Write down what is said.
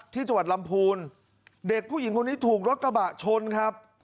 ที่จังหวัดลำพูนเด็กผู้หญิงคนนี้ถูกรถกระบะชนครับ